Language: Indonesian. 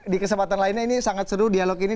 di kesempatan lainnya ini sangat seru dialog ini